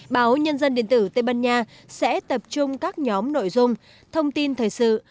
báo nhân dân điện tử tây ban nha sẽ tập trung các nhóm nội dung thông tin thời sự